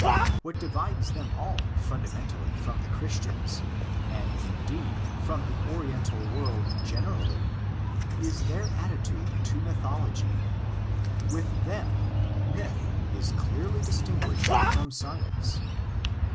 What divides them all fundamentally from the Christians—and, indeed, from the Oriental world generally—is their attitude to mythology. With them myth is clearly distinguished from science.